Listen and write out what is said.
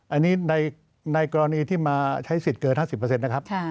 อันนี้ในกรณีที่มาใช้สิทธิ์เกิน๕๐นะครับ